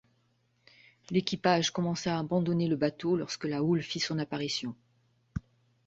L'équipage commença à abandonner le bateau lorsque la houle fit son apparition.